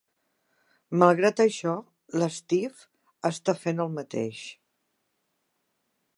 Malgrat això, l'Steve està fent el mateix.